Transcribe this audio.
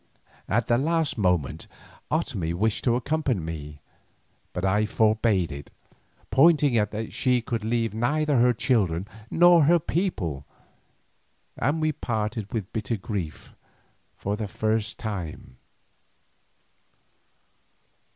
At the last moment Otomie wished to accompany me, but I forbade it, pointing out that she could leave neither her children nor her people, and we parted with bitter grief for the first time.